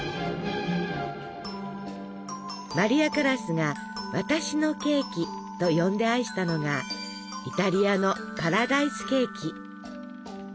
マリア・カラスが「私のケーキ」と呼んで愛したのがイタリアのパラダイスケーキ。